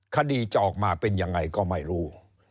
คดีจะออกมาเป็นยังไงก็ไม่รู้